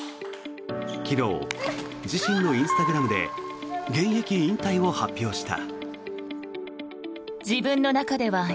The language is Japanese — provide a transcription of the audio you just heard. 昨日、自身のインスタグラムで現役引退を発表した。